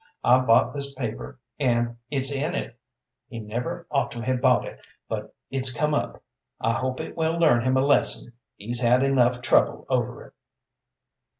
I bought this paper, and it's in it. He never ought to have bought it, but it's come up. I hope it will learn him a lesson. He's had enough trouble over it."